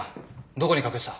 どこに隠した？」